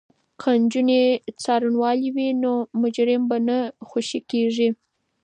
که نجونې څارنوالې وي نو مجرم به نه خوشې کیږي.